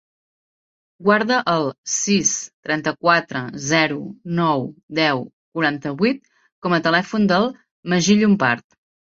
Guarda el sis, trenta-quatre, zero, nou, deu, quaranta-vuit com a telèfon del Magí Llompart.